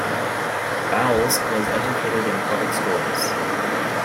Bowles was educated in public schools.